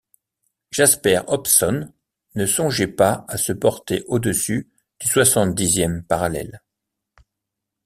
Jasper Hobson ne songeait pas à se porter au-dessus du soixante-dixième parallèle!